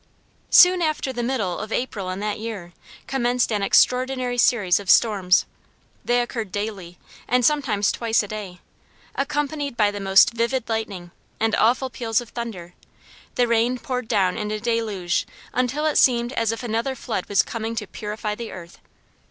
Soon after the middle of April in that year, commenced an extraordinary series of storms. They occurred daily, and sometimes twice a day, accompanied by the most vivid lightning, and awful peals of thunder; the rain poured down in a deluge until it seemed as if another flood was coming to purify the earth.